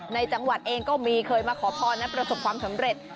ในจังหวัดเองก็มีเคยมาขอพรและประสบความสำเร็จ